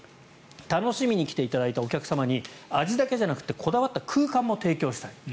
楽しみに来ていただいたお客様に味だけじゃなくてこだわった空間も提供したい。